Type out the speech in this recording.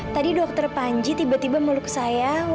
tadi dokter panji tiba tiba meluk saya